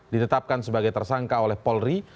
ditetapkan sebagai tersangka oleh polri